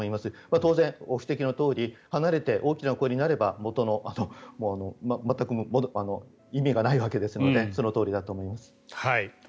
当然、ご指摘のとおり離れて、大きな声になれば全く意味がないわけですのでそのとおりだと思います。